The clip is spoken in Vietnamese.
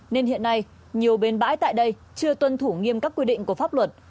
nên hiện nay nhiều bến bãi tại đây chưa tuân thủ nghiêm các quy định của pháp luật